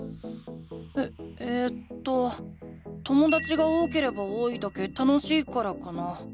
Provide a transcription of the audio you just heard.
ええとともだちが多ければ多いだけ楽しいからかな。